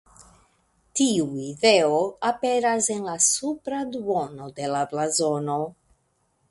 Tiu ideo aperas en la supra duono de la blazono.